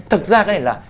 thực ra cái này là